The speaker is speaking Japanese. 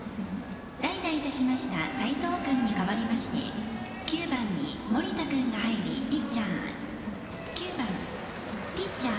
代打いたしました齋藤君に代わりまして９番に盛田君が入り、ピッチャー。